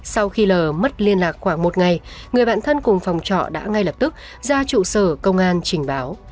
sau khi l mất liên lạc khoảng một ngày người bạn thân cùng phòng trọ đã ngay lập tức ra trụ sở công an trình báo